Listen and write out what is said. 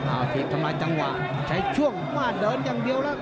เอาถีบทำลายจังหวะใช้ช่วงมาเดินอย่างเดียวแล้ว